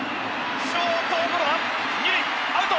ショートゴロは二塁アウト。